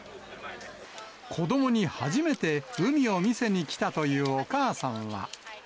子どもに初めて海を見せに来たというお母さんは。